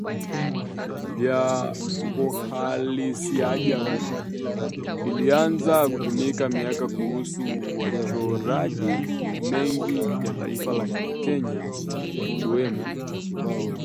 ya uhalisiajabu ilianza kutumika miaka kuhusu wachoraji mengi ya taifa la Kenya wakiwemo